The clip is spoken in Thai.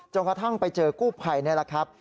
กระทั่งไปเจอกู้ภัยนี่แหละครับ